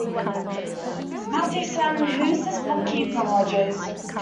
Matthewson, who's this bookkeeper, Rogers.